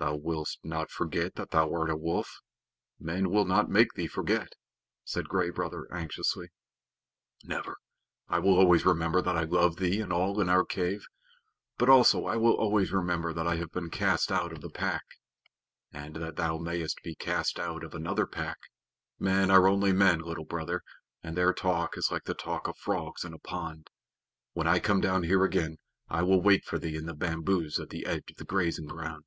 "Thou wilt not forget that thou art a wolf? Men will not make thee forget?" said Gray Brother anxiously. "Never. I will always remember that I love thee and all in our cave. But also I will always remember that I have been cast out of the Pack." "And that thou mayest be cast out of another pack. Men are only men, Little Brother, and their talk is like the talk of frogs in a pond. When I come down here again, I will wait for thee in the bamboos at the edge of the grazing ground."